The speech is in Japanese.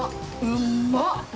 うんまっ。